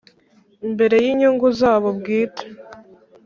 imbere y' inyungu zabo bwite